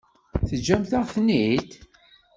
Teǧǧamt-aɣ-ten-id?